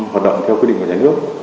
hoạt động theo quy định của nhà nước